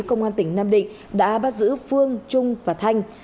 công an tỉnh nam định đã bắt giữ phương trung và thanh